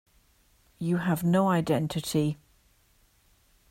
You have no identity.